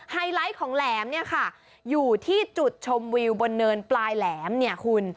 ไฮไลท์ของแหลมเนี่ยค่ะอยู่ที่จุดชมวิวบนเนินปลายแหลมเนี่ยคุณ